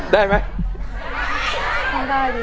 ได้ไหม